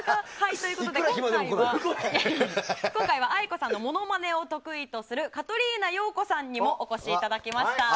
今回はａｉｋｏさんのモノマネを得意とするカトリーナ陽子さんにもお越しいただきました。